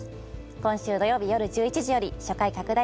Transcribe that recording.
今週土曜日よる１１時より初回拡大